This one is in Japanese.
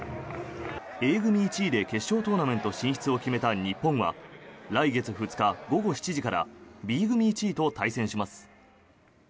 Ａ組１位で決勝トーナメント進出を決めた日本は来月２日午後７時からＢ組１位と対戦します。